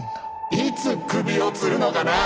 「いつ首を吊るのかなあ？」。